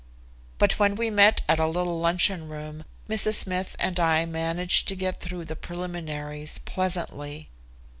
But when we met at a little luncheon room, Mrs. Smith and I managed to get through the preliminaries pleasantly.